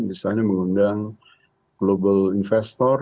misalnya mengundang global investor